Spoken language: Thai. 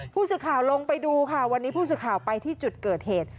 ผู้สื่อข่าวลงไปดูค่ะวันนี้ผู้สื่อข่าวไปที่จุดเกิดเหตุ